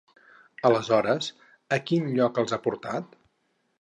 Aleshores, a quin lloc els ha portat?